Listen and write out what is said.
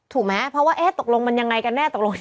ถูกไหมเพราะว่าตกลงมันอย่างไรกันแน่